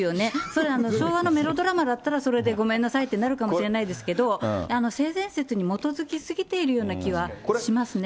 それ昭和のメロドラマだったら、それでごめんなさいってなるかもしれないですけど、性善説に基づき過ぎてる気はしますね。